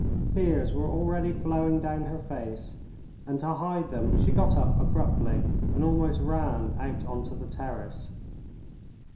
Tears were already flowing down her face, and to hide them she got up abruptly and almost ran out on to the terrace.